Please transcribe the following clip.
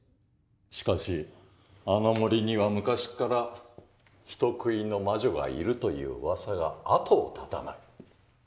しかしあの森には昔から人食いの魔女がいるといううわさが後を絶たない。